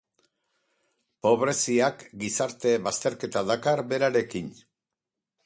Pobreziak gizarte bazterketa dakar berarekin.